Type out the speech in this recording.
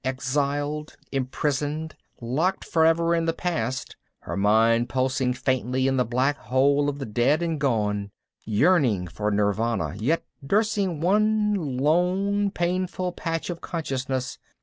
Exiled, imprisoned, locked forever in the past, her mind pulsing faintly in the black hole of the dead and gone, yearning for Nirvana yet nursing one lone painful patch of consciousness.